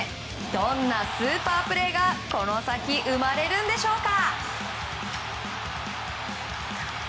どんなスーパープレーがこの先、生まれるんでしょうか？